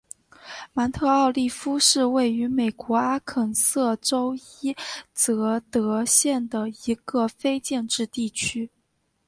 芒特奥利夫是位于美国阿肯色州伊泽德县的一个非建制地区。